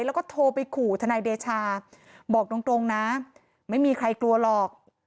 แล้วก็โทรไปขู่ทนายเดชาบอกตรงนะไม่มีใครกลัวหรอก